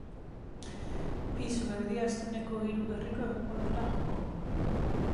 Pisu erdiastuneko hiru gerriko egongo dira jokoan.